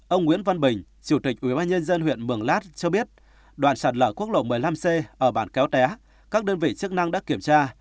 ông nguyễn văn bình chủ tịch ubnd huyện mường lát cho biết đoạn sạt lở quốc lộ một mươi năm c ở bản kéo té các đơn vị chức năng đã kiểm tra